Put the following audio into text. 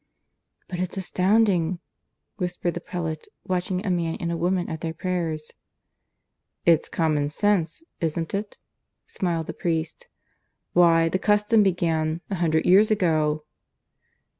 "But it's astounding!" whispered the prelate, watching a man and a woman at their prayers. "It's common sense, isn't it?" smiled the priest. "Why, the custom began a hundred years ago."